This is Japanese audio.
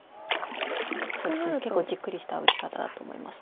そうですね結構じっくりした打ち方だと思います。